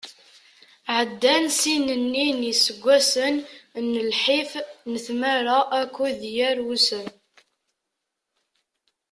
Ɛeddan ssin-nni n iseggasen n lḥif, n tmara akked yir ussan.